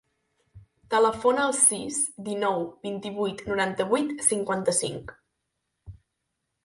Telefona al sis, dinou, vint-i-vuit, noranta-vuit, cinquanta-cinc.